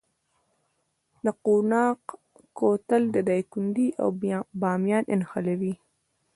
د قوناق کوتل دایکنډي او بامیان نښلوي